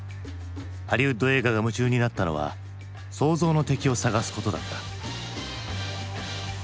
ハリウッド映画が夢中になったのは想像の敵を探すことだった。